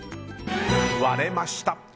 割れました。